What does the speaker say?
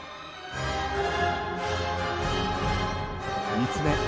３つ目。